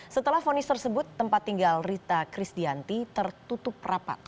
setelah fonis tersebut tempat tinggal rita krisdianti tertutup rapat